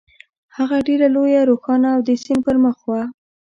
هغه ډېره لویه، روښانه او د سیند پر مخ وه.